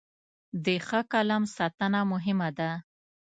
د ښه قلم ساتنه مهمه ده.